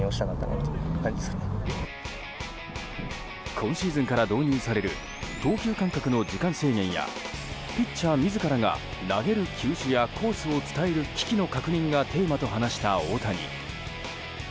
今シーズンから導入される投球間隔の時間制限やピッチャー自らが投げる球種やコースを伝える機器の確認がテーマと話した大谷。